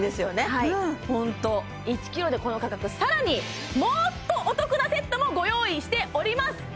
はいホント１ｋｇでこの価格更にもっとお得なセットもご用意しております